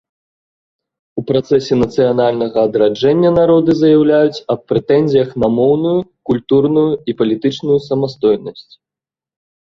У працэсе нацыянальнага адраджэння народы заяўляюць аб прэтэнзіях на моўную, культурную і палітычную самастойнасць.